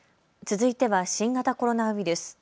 続いては新型コロナウイルス。